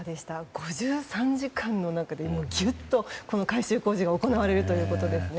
５３時間の中でぎゅっと改修工事が行われるということですね。